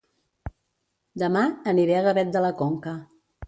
Dema aniré a Gavet de la Conca